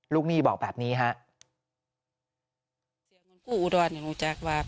หนี้บอกแบบนี้ฮะ